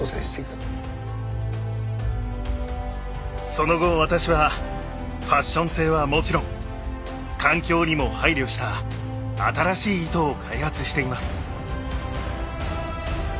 その後私はファッション性はもちろん環境にも配慮した新しい糸を開発しています。